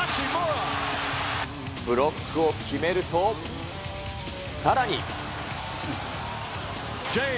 ブロックを決めると、さらに。